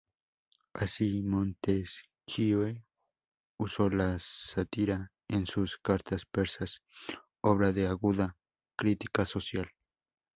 Así, Montesquieu usó la sátira en sus "Cartas Persas", obra de aguda crítica social.